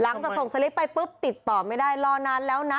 หลังจากส่งสลิปไปปุ๊บติดต่อไม่ได้รอนานแล้วนะ